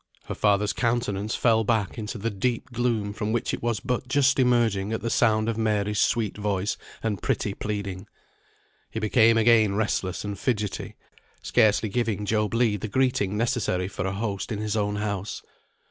Her father's countenance fell back into the deep gloom from which it was but just emerging at the sound of Mary's sweet voice, and pretty pleading. He became again restless and fidgetty, scarcely giving Job Legh the greeting necessary for a host in his own house.